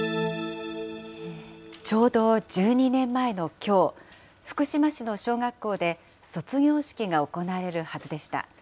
ちょうど１２年前のきょう、福島市の小学校で、卒業式が行われるはずでした。